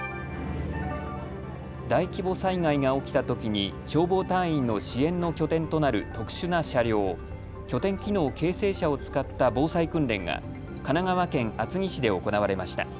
大規模災害が起きたときに消防隊員の支援の拠点となる特殊な車両、拠点機能形成車を使った防災訓練が神奈川県厚木市で行われました。